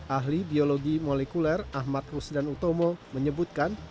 ahli biologi molekuler ahmad rusdan utomo menyebutkan